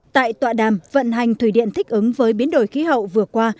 tại tọa đàm vận hành thủy điện thích ứng với biến đổi khí hậu vừa qua